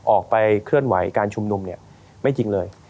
ออกไปเคลื่อนไหวการชุมนุมเนี่ยไม่จริงเลย